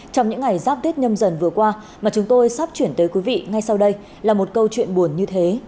trong những ngày giáp tết nhâm dần vừa qua mà chúng tôi sắp chuyển tới quý vị ngay sau đây là một câu chuyện buồn như thế